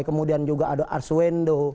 kemudian juga ada arswendo